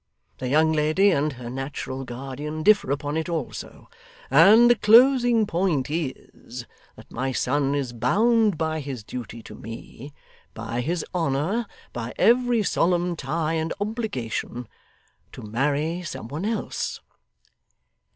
The young lady and her natural guardian differ upon it, also. And the closing point is, that my son is bound by his duty to me, by his honour, by every solemn tie and obligation, to marry some one else.